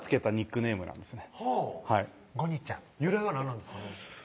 由来は何なんですか？